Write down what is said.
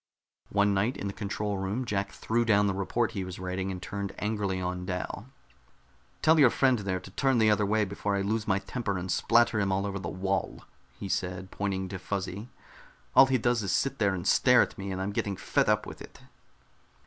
One night in the control room Jack threw down the report he was writing and turned angrily on Dal. "Tell your friend there to turn the other way before I lose my temper and splatter him all over the wall," he said, pointing to Fuzzy. "All he does is sit there and stare at me and I'm getting fed up with it."